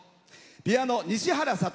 ピアノ、西原悟。